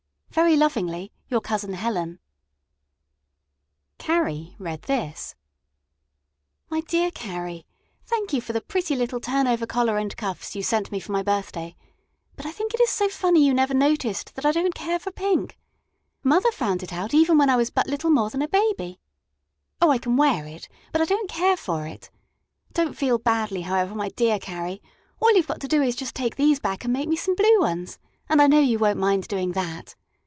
Very lovingly YOUR COUSIN HELEN Carrie read this: My dear Carrie: Thank you for the pretty little turnover collar and cuffs you sent me for my birthday; but I think it is so funny you never noticed that I don't care for pink. Mother found it out even when I was but little more than a baby. Oh, I can wear it, but I don't care for it. Don't feel badly, however, my dear Carrie; all you've got to do is just to take these back and make me some blue ones, and I know you won't mind doing that.